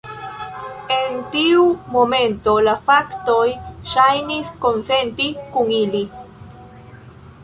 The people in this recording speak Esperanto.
En tiu momento, la faktoj ŝajnis konsenti kun ili.